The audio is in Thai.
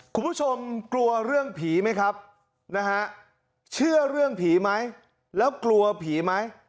คุณผู้ชมกลัวเรื่องผีไหมครับนะฮะเชื่อเรื่องผีไหมแล้วกลัวผีไหม